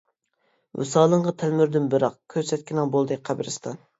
ۋىسالىڭغا تەلمۈردۈم بىراق، كۆرسەتكىنىڭ بولدى قەبرىستان.